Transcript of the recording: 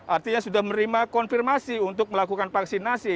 artinya sudah menerima konfirmasi untuk melakukan vaksinasi